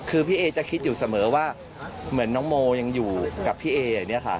คือพี่เอจะคิดอยู่เสมอว่าเหมือนน้องโมยังอยู่กับพี่เออย่างนี้ค่ะ